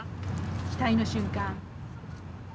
期待の瞬間。